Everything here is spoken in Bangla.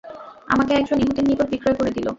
আমাকে একজন ইহুদীর নিকট বিক্রয় করে দিল।